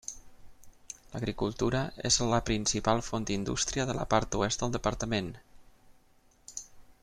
L'agricultura és la principal font d'indústria de la part oest del departament.